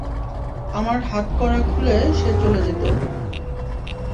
আমার হাতকড়া খুলে সে চলে যেত।